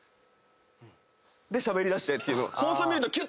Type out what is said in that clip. でしゃべりだしてっていうのが。